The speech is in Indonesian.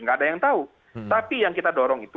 nggak ada yang tahu tapi yang kita dorong itu